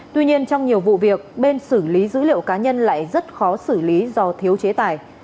tuy nhiên trong nhiều vụ việc bên xử lý dữ liệu cá nhân lại rất khó xử lý do thiếu chế tài